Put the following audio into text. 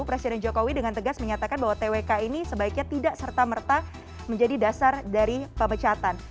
presiden jokowi dengan tegas menyatakan bahwa twk ini sebaiknya tidak serta merta menjadi dasar dari pemecatan